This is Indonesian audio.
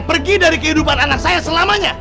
pergi dari kehidupan anak saya selamanya